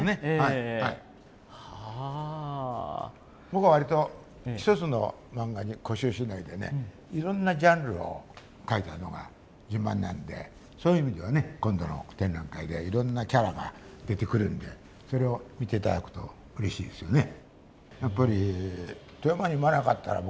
僕は割と１つの漫画に固執しないでねいろんなジャンルを描いたのが自慢なんでそういう意味ではね今度の展覧会ではいろんなキャラが出てくるんでそれを見て頂くとうれしいですよね。